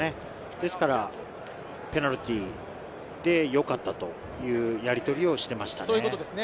ですからペナルティーでよかったというやりとりをしていましたね。